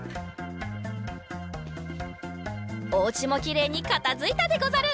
おうちもきれいにかたづいたでござる。